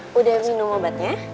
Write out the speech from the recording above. sudah minum obatnya